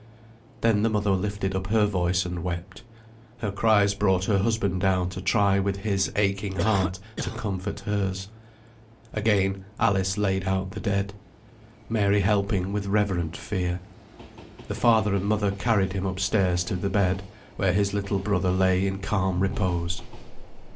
Then the mother lifted up her voice and wept. Her cries brought her husband down to try with his aching heart to comfort hers. Again Alice laid out the dead, Mary helping with reverent fear. The father and mother carried him up stairs to the bed, where his little brother lay in calm repose.